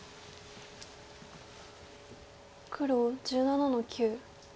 黒１７の九。